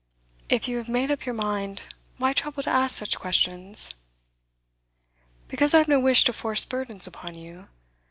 'If you have made up your mind, why trouble to ask such questions?' 'Because I have no wish to force burdens upon you.